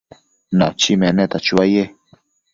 Nachi meneta chuaye